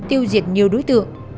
tiêu diệt nhiều đối tượng